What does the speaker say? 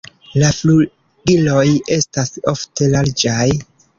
La flugiloj estas ofte larĝaj.